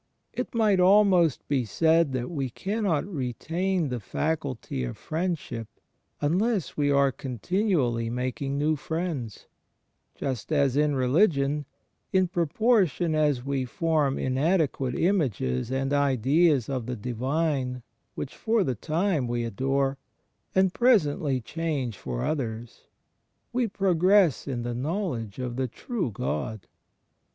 It might almost be said that we cannot retain the faculty of friendship imless we are continually making new friends: just as, in religion, in proportion as we form inade quate images and ideas of the divine which for the time we adore, and presently change for others, we progress in the knowledge of the True God.